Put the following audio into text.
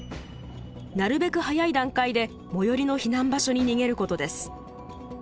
なるべく早い段階で最寄りの避難場所に逃げることです。